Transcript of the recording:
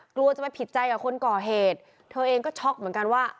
กลัวจะไปผิดใจกับคนก่อเหตุเธอเองก็ช็อกเหมือนกันว่า